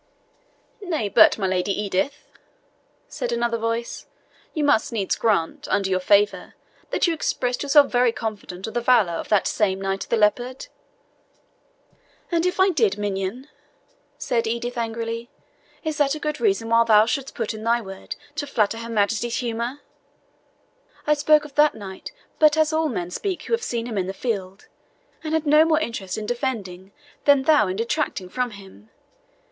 "Nay, but, my Lady Edith," said another voice, "you must needs grant, under your favour, that you expressed yourself very confident of the valour of that same Knight of the Leopard." "And if I did, minion," said Edith angrily, "is that a good reason why thou shouldst put in thy word to flatter her Majesty's humour? I spoke of that knight but as all men speak who have seen him in the field, and had no more interest in defending than thou in detracting from him.